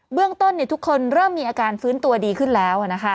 เรื่องต้นทุกคนเริ่มมีอาการฟื้นตัวดีขึ้นแล้วนะคะ